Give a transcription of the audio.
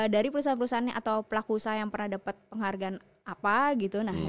dari perusahaan perusahaan ini atau pelaku usaha yang pernah dapat penghargaan apa gitu nah itu juga